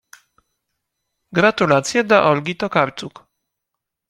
Gratulacje dla Olgi Tokarczuk.